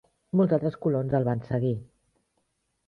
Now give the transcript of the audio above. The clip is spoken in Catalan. Molts altres colons el van seguir.